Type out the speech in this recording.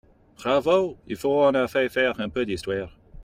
Bravo ! Il faut en effet faire un peu d’histoire.